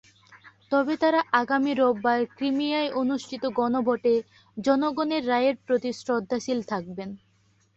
তবে তাঁরা আগামী রোববার ক্রিমিয়ায় অনুষ্ঠিত গণভোটে জনগণের রায়ের প্রতি শ্রদ্ধাশীল থাকবেন।